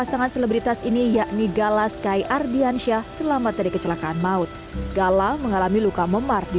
pasangan selebritas ini yakni galas kay ardiansyah selamat dari kecelakaan maut gala mengalami luka memar di